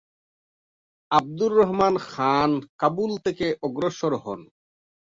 আবদুর রহমান খান কাবুল থেকে অগ্রসর হন।